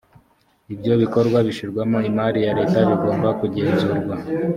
ibyo bikorwa bishyirwamo imari ya leta bigomba kugenzurwa